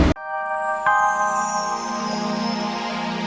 di balik dinding ini